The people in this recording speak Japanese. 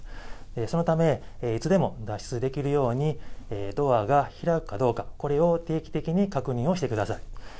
そのため、いつでも脱出できるように、ドアが開くかどうか、これを定期的に確認をしてください。